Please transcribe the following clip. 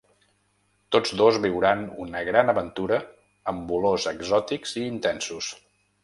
Tots dos viuran una gran aventura amb olors exòtics i intensos.